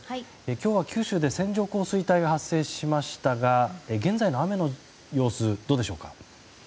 今日は九州で線状降水帯が発生しましたが現在の雨の様子どうでしょうか？